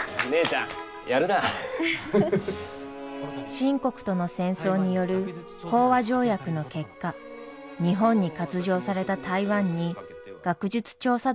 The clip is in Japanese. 清国との戦争による講和条約の結果日本に割譲された台湾に学術調査団の派遣が決まり。